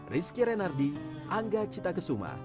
rizky renardi angga cittakesuma